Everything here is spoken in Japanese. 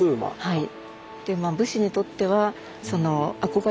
はい。